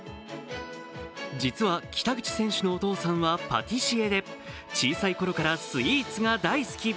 実は北口選手のお父さんはパティシエで小さいころからスイーツが大好き。